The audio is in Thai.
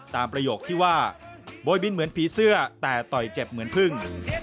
ประโยคที่ว่าโบยบินเหมือนผีเสื้อแต่ต่อยเจ็บเหมือนพึ่ง